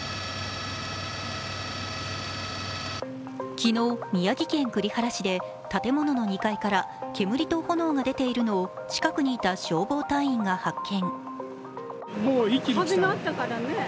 昨日、宮城県栗原市で建物の２階から煙と炎が出ているのを近くにいた消防隊員が発見。